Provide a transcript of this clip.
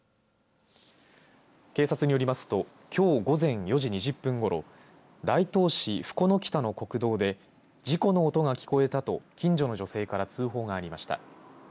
警察によりますときょう午前４時２０分ごろ大東市深野北の国道で事故の音が聞こえたと近所の女性から通報がありました。